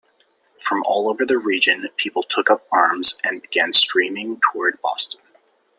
From all over the region, people took up arms and began streaming toward Boston.